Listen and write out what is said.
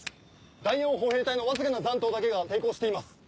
第四歩兵隊のわずかな残党だけが抵抗しています。